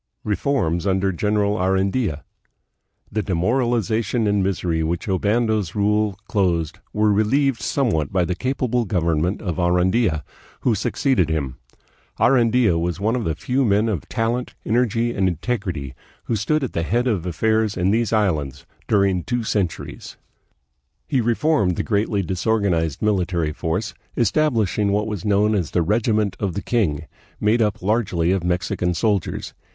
Reforms under General Arandia. The demoralization and misery with which Obando's rule closed were relieved somewhat by the capable government of Arandia, who succeeded him. Arandia was one of the few men of talent, energy, and integrity who stood at the head of affairs in these islands during two centuries. A CENTURY OF OBSCURITY. 1663 1762. 229 He reformed the greatly disorganized military force, establishing what was known as the "Regiment of the King," made up very largely of Mexican soldiers.